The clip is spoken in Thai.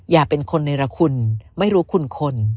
อย่าเป็นคนเนรคุณไม่รู้คุณคน